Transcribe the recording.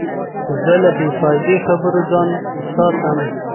زه له بې فایدې خبرو څخه ځان ساتم.